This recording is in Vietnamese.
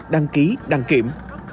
đăng ký đăng kiểm